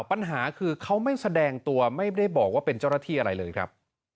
ปัญหาคือเขาไม่แสดงตัวไม่ได้บอกว่าเป็นเจ้าหน้าที่อะไรเลยครับ